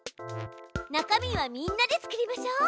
中身はみんなで作りましょう！